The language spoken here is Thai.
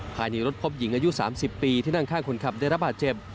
ภายในรถพบหญิงอายุ๓๐ปีที่นั่งข้างคนขับได้รับบาดเจ็บ